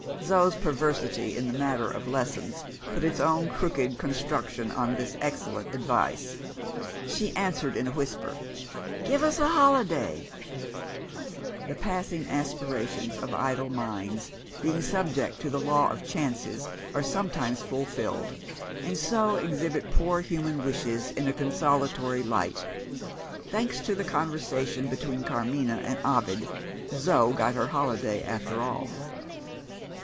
Zo's perversity in the matter of lessons put its own crooked construction on this excellent advice. She answered in a whisper, "Give us a holiday." The passing aspirations of idle minds, being subject to the law of chances, are sometimes fulfilled, and so exhibit poor human wishes in a consolatory light. Thanks to the conversation between Carmina and Ovid, Zo got her holiday after all.